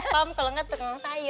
pem kalau enggak penggemas saya